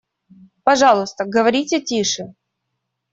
Пожалуйста, говорите тише.